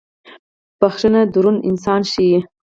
• بخښن دروند انسان ښيي.